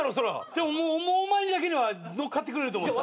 でもお前だけはのっかってくれると思った。